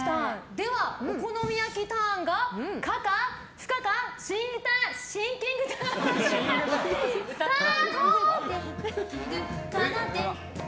では、お好み焼きターンが可か不可かシンキングタイム、スタート！